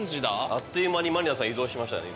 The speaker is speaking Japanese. あっという間に満里奈さん移動しましたね。